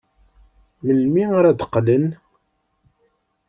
Melmi ara d-qqlen?